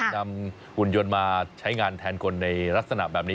หุ่นยนต์มาใช้งานแทนคนในลักษณะแบบนี้